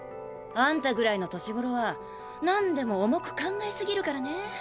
あんたぐらいの年頃はなんでも重く考え過ぎるからね。